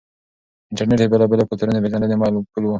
انټرنیټ د بېلابېلو کلتورونو د پیژندنې پل دی.